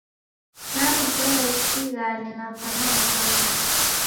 Namzera usighane na w'ana wa w'andu